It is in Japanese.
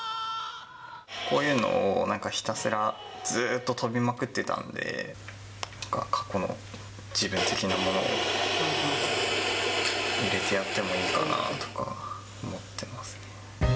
こういうのをなんかひたすら、ずっと跳びまくってたので、過去の自分的なものを入れてやってもいいかなとか思ってます。